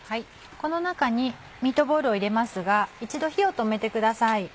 この中にミートボールを入れますが一度火を止めてください。